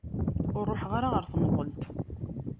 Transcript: Ur ruḥeɣ ara ɣer temḍelt.